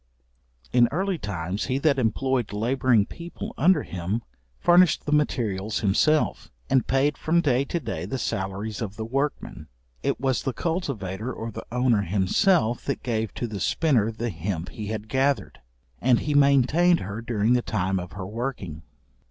In early times, he that employed labouring people under him, furnished the materials himself, and paid from day to day the salaries of the workmen. It was the cultivator or the owner himself that gave to the spinner the hemp he had gathered, and he maintained her during the time of her working.